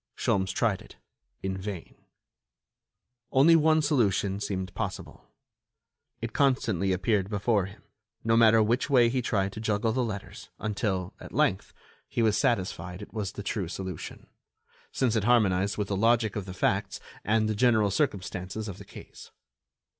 Sholmes tried it, in vain. Only one solution seemed possible; it constantly appeared before him, no matter which way he tried to juggle the letters, until, at length, he was satisfied it was the true solution, since it harmonized with the logic of the facts and the general circumstances of the case.